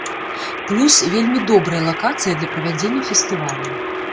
Плюс, вельмі добрая лакацыя для правядзення фестывалю.